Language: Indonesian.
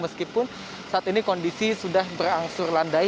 meskipun saat ini kondisi sudah berangsur landai